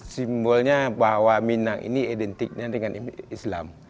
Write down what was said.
simbolnya bahwa minang ini identiknya dengan islam